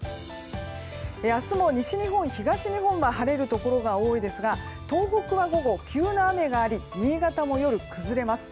明日も西日本、東日本は晴れるところが多いですが東北は午後、急な雨があり新潟も夜は崩れます。